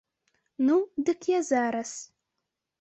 Ну, дык я зараз.